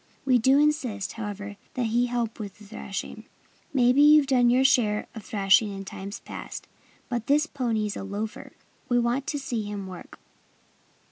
We do insist, however, that he help with the thrashing. Maybe you've done your share of the thrashing in times past. But this pony's a loafer. We want to see him work."